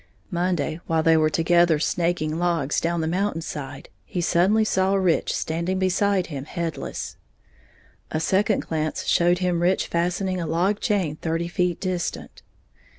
Monday while they were together "snaking" logs down the mountain side, he suddenly saw Rich standing beside him headless, a second glance showed him Rich fastening a log chain thirty feet distant.